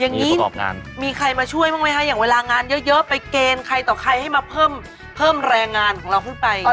อย่างนี้มีใครมาช่วยบ้างไหมคะอย่างเวลางานเยอะไปเกณฑ์ใครต่อใครให้มาเพิ่มแรงงานของเราขึ้นไป